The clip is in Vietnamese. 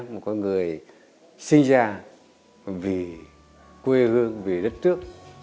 một con người sinh ra vì quê hương vì đất nước